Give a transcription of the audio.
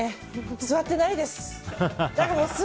座ってないです。